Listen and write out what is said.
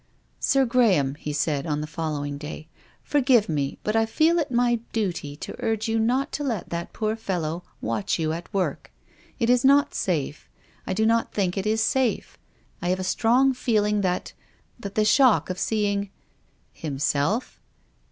" Sir Graham," he said, on the following day, " forgive me, but I feel it my duty to urge you not to let that poor fellow watch you at work. It is not safe. I do not think it is safe. I have a strong feeling that — that the shock of seeing —" "Himself?"